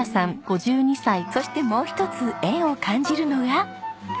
そしてもう一つ縁を感じるのが。